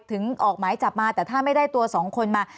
ออกหมายจับมาแต่ถ้าไม่ได้ตัวสองคนมา